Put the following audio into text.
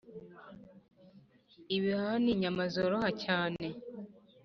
Ibihaha ni inyama zoroha cyane.